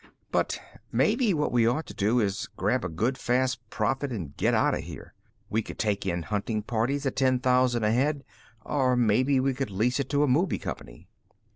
But maybe what we ought to do is grab a good, fast profit and get out of here. We could take in hunting parties at ten thousand a head or maybe we could lease it to a movie company."